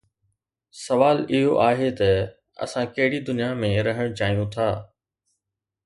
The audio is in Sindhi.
سوال اهو آهي ته اسان ڪهڙي دنيا ۾ رهڻ چاهيون ٿا؟